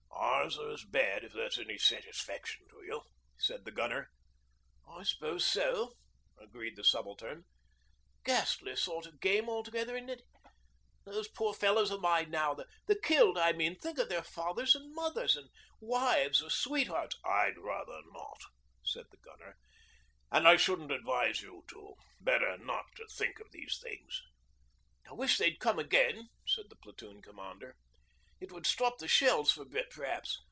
'Ours are as bad, if that's any satisfaction to you,' said the gunner. 'I s'pose so,' agreed the subaltern. 'Ghastly sort of game altogether, isn't it? Those poor fellows of mine now the killed, I mean. Think of their fathers and mothers and wives or sweethearts ' 'I'd rather not,' said the gunner. 'And I shouldn't advise you to. Better not to think of these things.' 'I wish they'd come again,' said the Platoon commander. 'It would stop the shells for a bit perhaps.